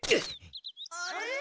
あれ？